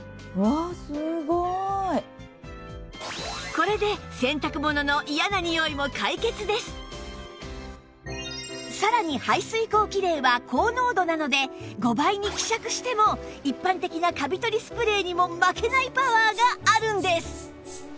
これでさらに排水口キレイは高濃度なので５倍に希釈しても一般的なカビ取りスプレーにも負けないパワーがあるんです